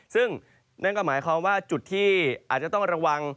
ซึ่งนั่นก็หมายความว่าจุดที่อาจจะต้องระวัง